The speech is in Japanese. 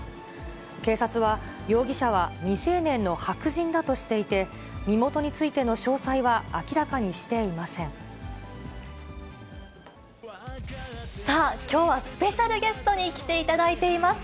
警察は、容疑者は未成年の白人だとしていて、身元についての詳細は明らかさあ、きょうはスペシャルゲストに来ていただいています。